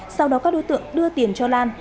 sau đó các đối tượng đưa tiền cho lan